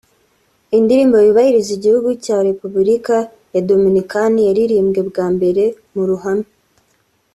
Indirimbo yubahiriza Igihugu cya Repubulika ya Dominikani yaririmbwe bwa mbere mu ruhame